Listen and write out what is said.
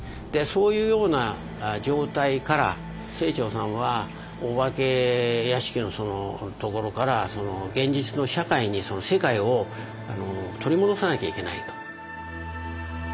そういうような状態から清張さんはお化け屋敷のところから現実の社会に世界を取り戻さなきゃいけないと。